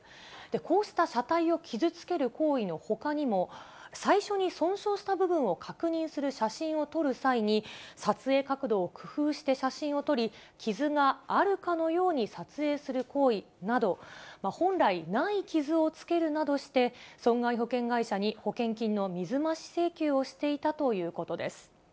こうした車体を傷つける行為のほかにも、最初に損傷した部分を確認する写真を撮る際に、撮影角度を工夫して写真を撮り、傷があるかのように撮影する行為など、本来、ない傷をつけるなどして、損害保険会社に保険金の水増し請求をしていたということです。